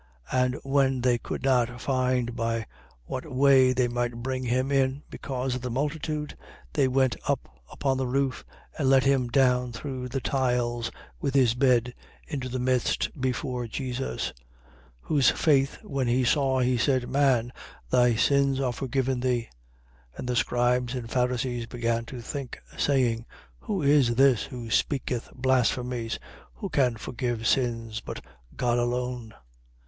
5:19. And when they could not find by what way they might bring him in, because of the multitude, they went up upon the roof and let him down through the tiles with his bed into the midst before Jesus. 5:20. Whose faith when he saw, he said: Man, thy sins are forgiven thee. 5:21. And the scribes and Pharisees began to think, saying: Who is this who speaketh blasphemies? Who can forgive sins, but God alone?